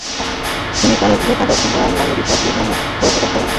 তিনি তার লেখা দর্শন ও অন্যান্য বিষয়ক বিভিন্ন বই প্রকাশ করেন।